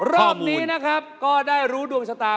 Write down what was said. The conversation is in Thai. รอบนี้ก็ได้รู้ดวงชะตา